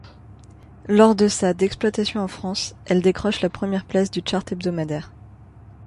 Lors de sa d'exploitation en France, elle décroche la première place du chart hebdomadaire.